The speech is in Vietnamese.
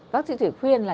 bác sĩ thủy khuyên là